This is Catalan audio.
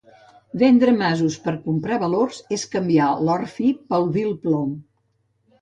Vendre masos per comprar valors és canviar l'or fi pel vil plom.